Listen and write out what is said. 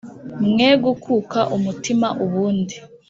Mwegukuka umutima bundi,